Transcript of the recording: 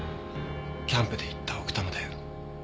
キャンプで行った奥多摩で。